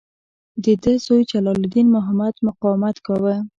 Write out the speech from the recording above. د ده زوی جلال الدین محمد مقاومت کاوه.